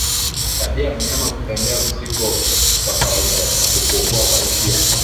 Tabia ya mnyama kutembea kusiko kwa kawaida na kupungua kwa hisia